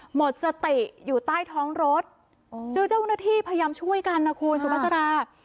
หมดสติอยู่ใต้ท้องรถซึ่งเจ้าหน้าที่พยายามช่วยกันนะคุณสุภาษา